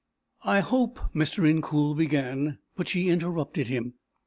"I hope " Mr. Incoul began, but she interrupted him.